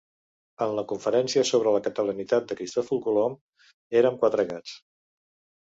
En la conferència sobre la catalanitat de Cristòfor Colom érem quatre gats.